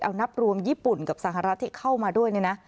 เอานับรวมญี่ปุ่นกับสหราษฎิกต์เข้ามาด้วยนี่นะ